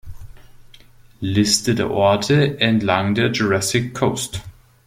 Liste der Orte entlang der Jurassic Coast